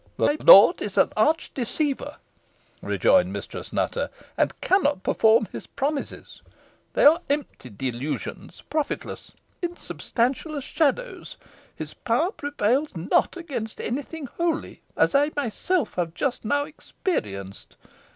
"Thy lord is an arch deceiver," rejoined Mistress Nutter; "and cannot perform his promises. They are empty delusions profitless, unsubstantial as shadows. His power prevails not against any thing holy, as I myself have just now experienced.